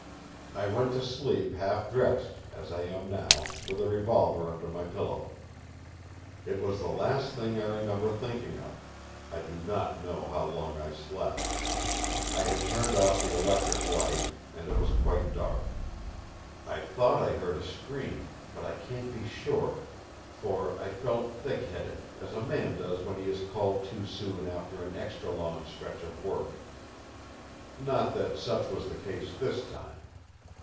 "I went to sleep half dressed—as I am now, with a revolver under my pillow. It was the last thing I remember thinking of. I do not know how long I slept. I had turned off the electric light, and it was quite dark. I thought I heard a scream; but I can't be sure, for I felt thick headed as a man does when he is called too soon after an extra long stretch of work. Not that such was the case this time.